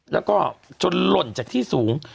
แล้วก็จนหล่นจากที่สูง